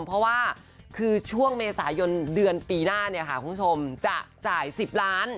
เพราะว่าคือช่วงเมษายนเดือนปีหน้าเนี่ยค่ะคุณผู้ชมจะจ่าย๑๐ล้าน